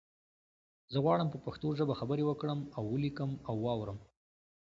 زه غواړم په پښتو ژبه خبری وکړم او ولیکم او وارم